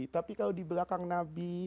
tapi kalau di belakang nabi